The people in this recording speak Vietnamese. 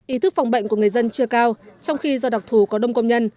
ý thức phòng bệnh của người dân chưa cao trong khi do độc thủ có đông công nhân